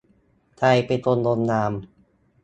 ใครเป็นคนลงนาม